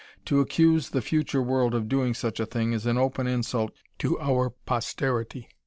To accuse the future world of doing such a thing is an open insult to our posterity.